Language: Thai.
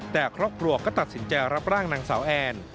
แต่ครอบครัวก็ตัดสินใจรับร่างนางสาวแอน